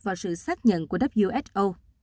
vào sự xác nhận của who